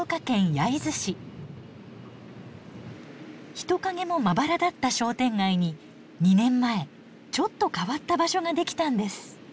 人影もまばらだった商店街に２年前ちょっと変わった場所ができたんです。